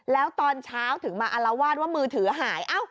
แล้วตอนเช้าถึงมาอารวาสว่ามือถือหาย